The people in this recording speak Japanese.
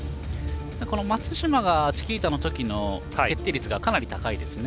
松島がチキータの時の決定率がかなり高いですね。